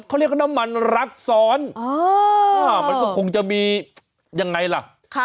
เขาเรียกว่าน้ำมันรักซ้อนมันก็คงจะมียังไงล่ะ